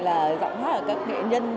là giọng hát của các nghệ nhân